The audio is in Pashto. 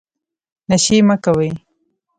نشې مه کوئ